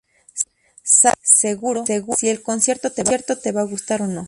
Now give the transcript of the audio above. Sabes, seguro, si el concierto te va a gustar o no